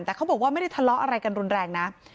แต่เขาบอกว่าไม่ได้ทะเลาะอะไรกันรุนแรงนะ